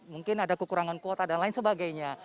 mungkin ada kekurangan kuota dan lain sebagainya